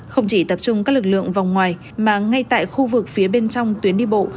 không chỉ tập trung các lực lượng vòng ngoài mà ngay tại khu vực phía bên trong tuyến đi bộ